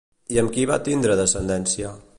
I amb qui va tindre descendència?